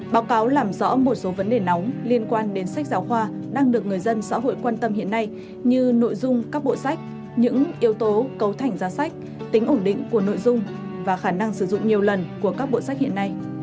báo cáo làm rõ một số vấn đề nóng liên quan đến sách giáo khoa đang được người dân xã hội quan tâm hiện nay như nội dung các bộ sách những yếu tố cấu thành giá sách tính ổn định của nội dung và khả năng sử dụng nhiều lần của các bộ sách hiện nay